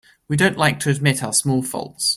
We don't like to admit our small faults.